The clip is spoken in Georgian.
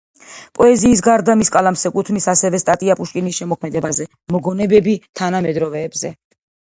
პოეზიის გარდა მის კალამს ეკუთვნის ასევე სტატია პუშკინის შემოქმედებაზე, მოგონებები თანამედროვეებზე.